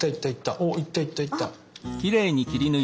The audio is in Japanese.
おっ行った行った行った！